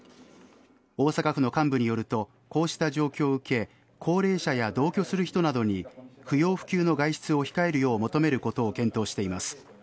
大阪府の幹部によるとこうした状況を受け高齢者や同居する人などに不要不急の外出を控えるよう求めることを検討しています。